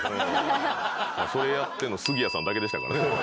それやってるの杉谷さんだけでしたからね。